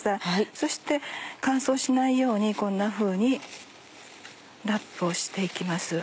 そして乾燥しないようにこんなふうにラップをして行きます。